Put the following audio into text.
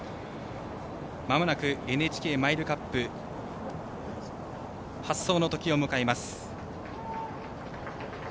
まもなくＮＨＫマイルカップ発走のときを迎えます。